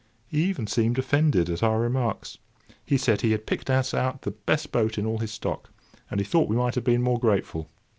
He even seemed offended at our remarks. He said he had picked us out the best boat in all his stock, and he thought we might have been more grateful.